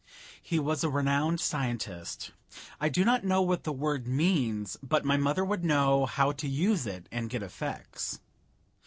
He was a renowned scientist. I do not know what the word means, but my mother would know how to use it and get effects.